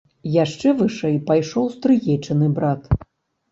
Яшчэ вышэй пайшоў стрыечны брат.